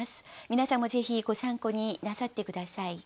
皆さんもぜひご参考になさって下さい。